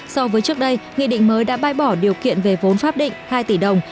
so với trước đây nghị định mới đã bai bỏ điều kiện về vốn pháp định hai tỷ đồng